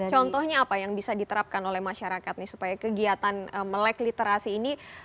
contohnya apa yang bisa diterapkan oleh masyarakat nih supaya kegiatan melek literasi ini